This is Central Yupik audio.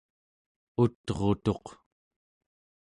ut'rutuq